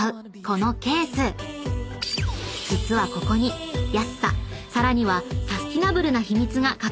［実はここに安ささらにはサスティナブルな秘密が隠されているんです］